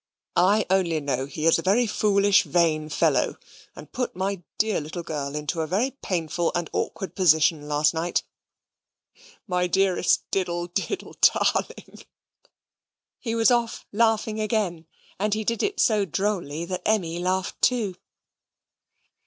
I only know he is a very foolish vain fellow, and put my dear little girl into a very painful and awkward position last night. My dearest diddle diddle darling!" He was off laughing again, and he did it so drolly that Emmy laughed too.